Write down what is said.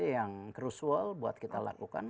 yang crusual buat kita lakukan